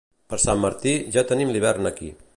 Per Sant Martí, ja tenim l'hivern aquí.